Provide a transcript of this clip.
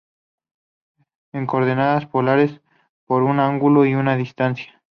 En coordenadas polares, por un ángulo y una distancia.